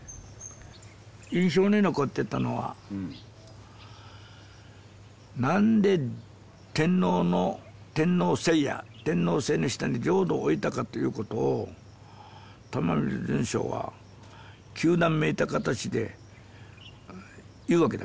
印象に残ってたのは何で天皇の天皇制や天皇制の下に浄土を置いたかということを玉光順正は糾弾めいた形で言うわけだ。